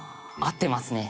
合ってますね。